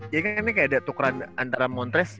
jadi kan ini kayak ada tukeran antara montress